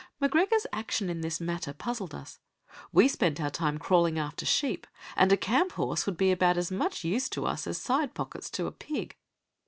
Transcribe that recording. M'Gregor's action in this matter puzzled us. We spent our time crawling after sheep, and a camp horse would be about as much use to us as side pockets to a pig.